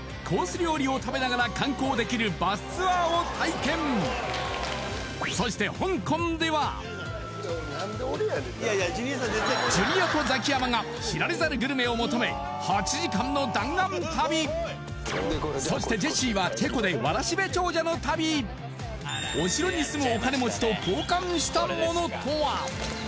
料理を食べながら観光できるバスツアーを体験そして香港ではジュニアとザキヤマが知られざるグルメを求め８時間の弾丸旅そしてジェシーはチェコでわらしべ長者の旅お城に住むお金持ちと交換したものとは？